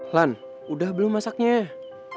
lan udah belum masaknya